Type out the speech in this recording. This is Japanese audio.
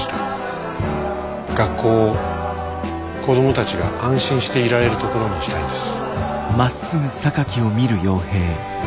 学校を子供たちが安心していられるところにしたいんです。